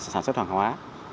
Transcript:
sản xuất hoảng hóa